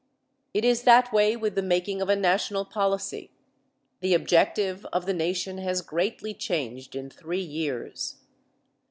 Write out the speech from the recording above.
It is that way with the making of a national policy. The objective of the nation has greatly changed in three years.